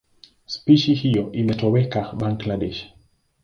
Spishi hiyo imetoweka Bangladesh.